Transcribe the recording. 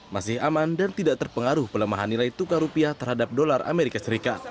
masih aman dan tidak terpengaruh pelemahan nilai tukar rupiah terhadap dolar as